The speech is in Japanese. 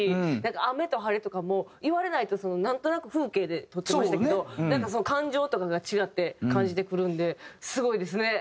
雨と晴れとかも言われないとなんとなく風景で取ってましたけど感情とかが違って感じてくるんですごいですね。